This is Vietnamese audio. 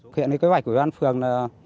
khiến cái bảy của văn phường